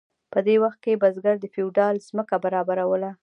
په دې وخت کې بزګر د فیوډال ځمکه برابروله.